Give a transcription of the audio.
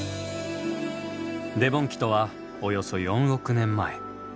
デボン紀とはおよそ４億年前。